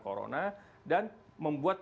corona dan membuat